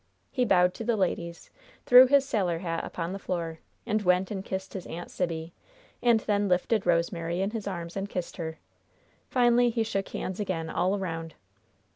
He bowed to the ladies, threw his sailor hat upon the floor, and went and kissed his Aunt Sibby, and then lifted Rosemary in his arms and kissed her. Finally he shook hands again all around.